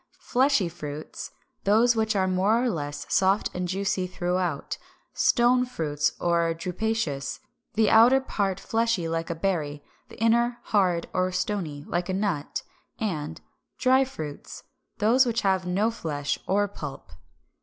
Fleshy Fruits, those which are more or less soft and juicy throughout; Stone Fruits, or Drupaceous, the outer part fleshy like a berry, the inner hard or stony, like a nut; and Dry Fruits, those which have no flesh or pulp.